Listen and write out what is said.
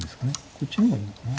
こっちの方がいいのかな。